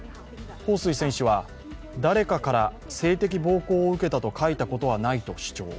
彭帥選手は、誰かから性的暴行を受けたと書いたことはないと主張。